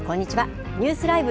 ニュースＬＩＶＥ！